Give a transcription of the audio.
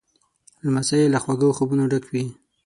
لمسی له خواږه خوبونو ډک وي.